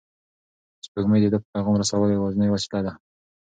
سپوږمۍ د ده د پیغام رسولو یوازینۍ وسیله ده.